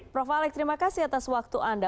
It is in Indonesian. prof alex terima kasih atas waktu anda